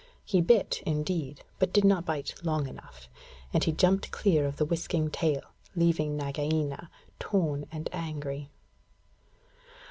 He bit, indeed, but did not bite long enough, and he jumped clear of the whisking tail, leaving Nagaina torn and angry.